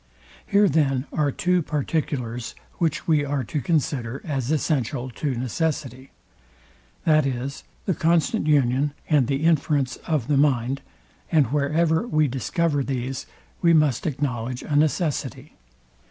Here then are two particulars, which we are to consider as essential to necessity, viz, the constant union and the inference of the mind; and wherever we discover these we must acknowledge a necessity.